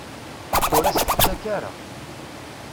Ur as-t-ttakk ara.